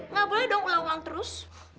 nggak boleh dong ulang ulang terus